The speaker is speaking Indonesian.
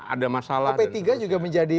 ada masalah p tiga juga menjadi